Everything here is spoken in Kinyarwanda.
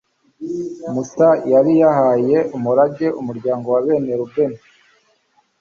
musa yari yahaye umugabane umuryango wa bene rubeni